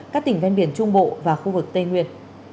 các tỉnh ven biển trung bộ và khu vực tây nguyên